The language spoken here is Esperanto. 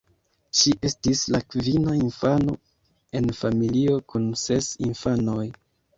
Ŝi estis la kvina infano en familio kun ses infanoj.